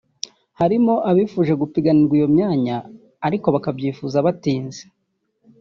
arimo abifuje gupiganirwa iyo myanya ariko bakabyifuza byatinze